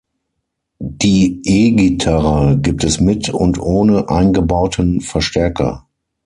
Die E-Gitarre gibt es mit und ohne eingebauten Verstärker.